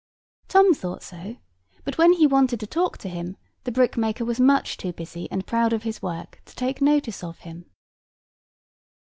Tom thought so: but when he wanted to talk to him the brick maker was much too busy and proud of his work to take notice of him.